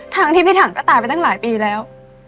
ทั้งที่พี่ถังก็ตายไปตั้งหลายปีแล้ว